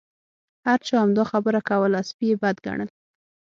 هر چا همدا خبره کوله سپي یې بد ګڼل.